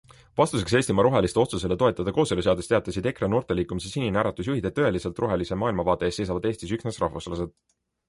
Vastuseks Eestimaa Roheliste otsusele toetada kooseluseadust, teatasid EKRE noorteliikumise Sinine Äratus juhid, et tõeliselt rohelise maailmavaate eest seisavad Eestis üksnes rahvuslased.